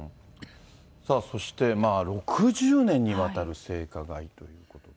そして、６０年にわたる性加害ということで。